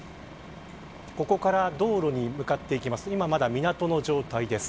ここから道路に向かって行きます。